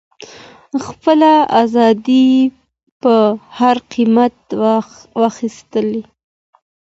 خپله ازادي په هر قیمت وساتئ.